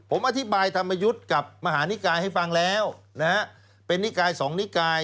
ผมอธิบายธรรมยุทธ์กับมหานิกายให้ฟังแล้วนะฮะเป็นนิกายสองนิกาย